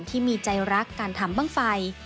ที่มีใจรักการทำบ้างไฟ